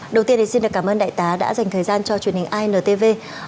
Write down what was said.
đầu tiên thì xin được cảm ơn đại tá đã dành thời gian cho truyền hình intv